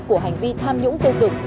của hành vi tham nhũng tiêu cực